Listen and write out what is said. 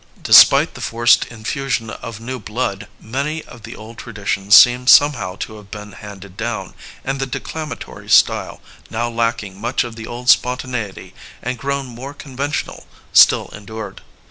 Despite the forced infusion of new blood, man^^ of the old traditions seem somehow to have been handed down, and the declamatory style, now lack ing much of the old spontaneity and grown more con ventional, still endured.